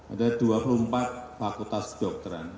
ada dua puluh empat fakultas kedokteran